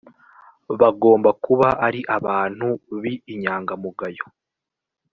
bagomba kuba ari abantu b inyangamugayo